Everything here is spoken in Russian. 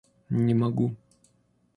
Не могу.